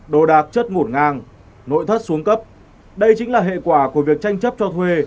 đồ đạc chất ngổn ngang nội thất xuống cấp đây chính là hệ quả của việc tranh chấp cho thuê